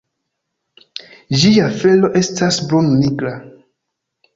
Ĝia felo estas brun-nigra.